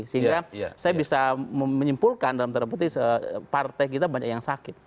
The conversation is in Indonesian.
sehingga saya bisa menyimpulkan dalam tanda putih partai kita banyak yang sakit